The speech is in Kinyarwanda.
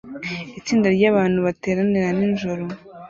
Itsinda ryabantu bateranira nijoro